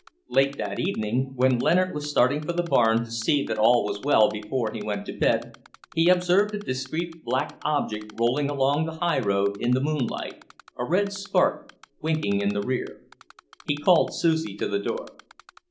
Late that evening, when Leonard was starting for the barn to see that all was well before he went to bed, he observed a discreet black object rolling along the highroad in the moonlight, a red spark winking in the rear. He called Susie to the door.